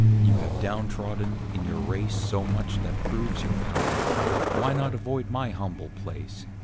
You have down trodden, in your race, So much that proves your power, Why not avoid my humble place?